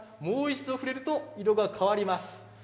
もう一度触れると色が変わります。